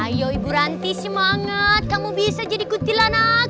ayo ibu ranti semangat kamu bisa jadi kutil anak